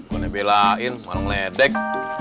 gue belain malem ledek